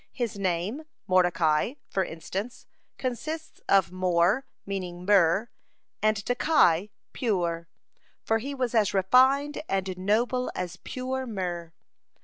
His name Mordecai, for instance, consists of Mor, meaning "myrrh," and Decai, "pure," for he was as refined and noble as pure myrrh.